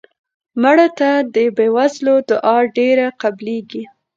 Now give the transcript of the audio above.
مړه ته د بې وزلو دعا ډېره قبلیږي